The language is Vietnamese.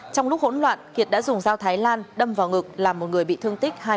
trong lúc hỗn loạn kiệt đã dùng dao thái lan đâm vào ngực làm một người bị thương tích hai